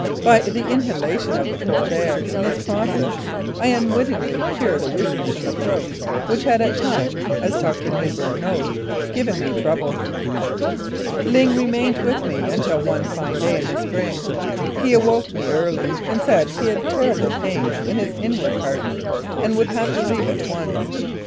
By the inhalation of the cold air in this process I unwit tingly cured a weakness in the throat which had at times (as Dr. Mewburn knows) given me trouble. Ling remained with me until one fine day in the spring; he awoke me early and said he had terrible pains in his inward parts and would have to leave at once.